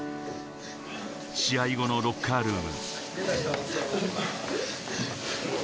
試合後のロッカールーム。